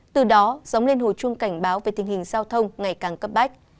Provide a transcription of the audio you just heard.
từ đó giống lên hồ chuông cảnh báo về tình hình giao thông ngày càng cấp bách